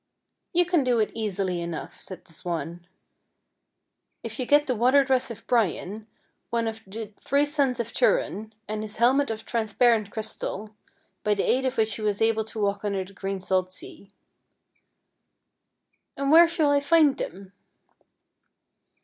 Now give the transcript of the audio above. ';" You can do it easily enough," said the swan, " if you get the water dress of Brian, one of the 28 FAIRY TALES three sons of Turenn, and his helmet of trans parent crystal, by the aid of which he was able to walk under the green salt sea." 3 " And where shall I find them?